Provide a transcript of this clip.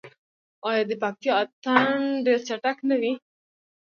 آیا د پکتیا اتن ډیر چټک نه وي؟